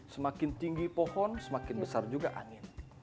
semakin tinggi pohon semakin besar juga angin